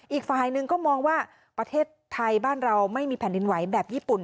อีกฝ่ายหนึ่งก็มองว่าประเทศไทยบ้านเราไม่มีแผ่นดินไหวแบบญี่ปุ่น